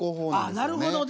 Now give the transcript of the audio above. なるほどね！